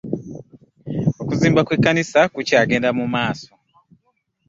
Okuzimba kwe kanisa ku kya genda mu maaso.